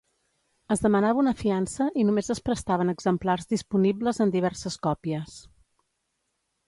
Es demanava una fiança i només es prestaven exemplars disponibles en diverses còpies.